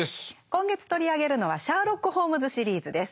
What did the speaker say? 今月取り上げるのはシャーロック・ホームズ・シリーズです。